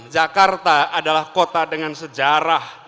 jakarta adalah kota dengan sejarah